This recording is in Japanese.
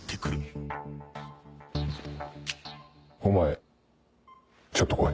お前ちょっと来い。